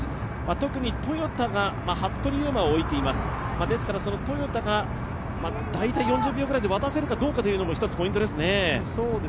特にトヨタが服部勇馬を置いていますからトヨタが大体４０秒ぐらいで渡せるかどうかもポイントですね。